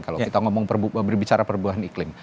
kalau kita ngomong berbicara perubahan iklim